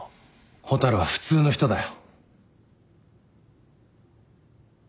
蛍は普通の人だよ。